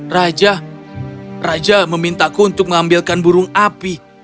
raja raja memintaku untuk mengambilkan burung api